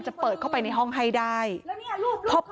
แต่เธอก็ไม่ละความพยายาม